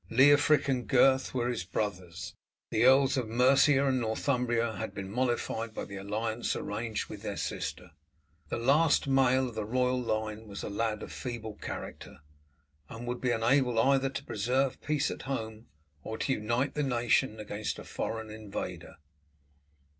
Leofric and Gurth were his brothers, the Earls of Mercia and Northumbria had been mollified by the alliance arranged with their sister. The last male of the royal line was a lad of feeble character, and would be unable either to preserve peace at home or to unite the nation against a foreign invader.